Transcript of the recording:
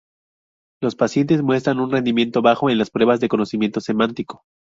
Los pacientes muestran un rendimiento bajo en las pruebas de conocimiento semántico.